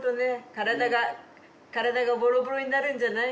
体が体がボロボロになるんじゃない？